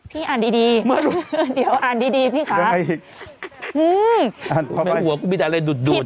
พี่อ่านดีดีเดี๋ยวอ่านดีดีพี่คะอ่านอีกอ่านออกไปไม่หัวก็ไม่ได้อะไรดูดดูด